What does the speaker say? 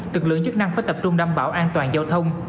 lực lượng chức năng phải tập trung đảm bảo an toàn giao thông